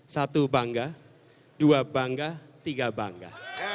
satu bangga dua bangga tiga bangga